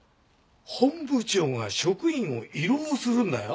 本部長が職員を慰労するんだよ。